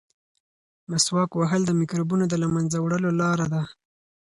مسواک وهل د مکروبونو د له منځه وړلو لاره ده.